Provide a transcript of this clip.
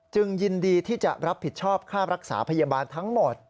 ยินดีที่จะรับผิดชอบค่ารักษาพยาบาลทั้งหมด